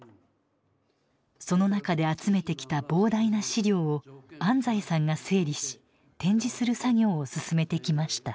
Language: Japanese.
その中で集めてきた膨大な資料を安斎さんが整理し展示する作業を進めてきました。